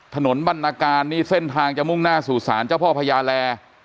ถนนบรรณการนี่เส้นทางจะมุ่งหน้าสู่ศาลเจ้าพ่อพญาแล